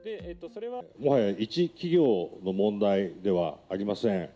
もはや一企業の問題ではありません。